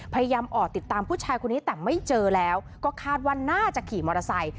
พยายามออกติดตามผู้ชายคนนี้แต่ไม่เจอแล้วก็คาดว่าน่าจะขี่มอเตอร์ไซค